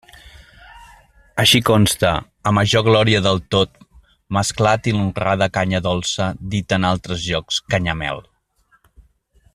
Així consta, a major glòria del tot mesclat i l'honrada canya dolça, dita en altres llocs canyamel.